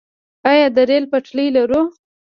آیا د ریل پټلۍ لرو؟